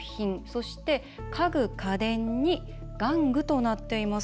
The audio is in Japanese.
そして、家具・家電に玩具となっています。